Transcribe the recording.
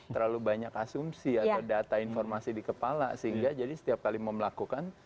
terlalu banyak asumsi atau data informasi di kepala sehingga jadi setiap kali mau melakukan